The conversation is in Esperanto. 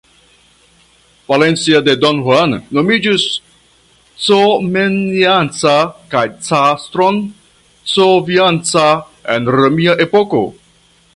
Valencia de Don Juan nomiĝis Comeniaca kaj Castrum Covianca en romia epoko.